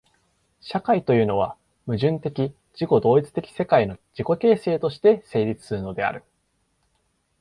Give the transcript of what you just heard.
社会というのは、矛盾的自己同一的世界の自己形成として成立するのである。